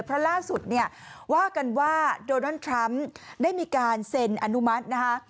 เพราะล่าสุดเนี่ยว่ากันว่าโดนัลด์ทรัมป์ได้มีการเซ็นอนุมัตินะคะ